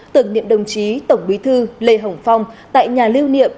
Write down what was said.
tưởng niệm đồng chí tổng bí thư lê hồng phong tại nhà lưu niệm